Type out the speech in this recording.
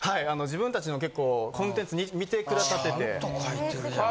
自分たちの結構、コンテンツ見てくださってて。